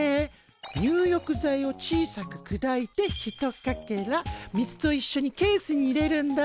入浴剤を小さくくだいてひとかけら水といっしょにケースに入れるんだ。